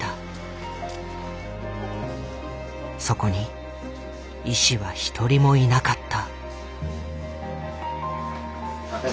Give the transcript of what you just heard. そこに医師は一人もいなかった。